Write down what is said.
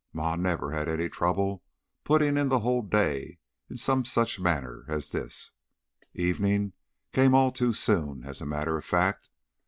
Ma never had any trouble putting in the whole day in some such manner as this; evening came all too soon, as a matter of fact.